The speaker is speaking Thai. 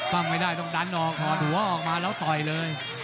ไม่ได้ต้องดันออกถอดหัวออกมาแล้วต่อยเลย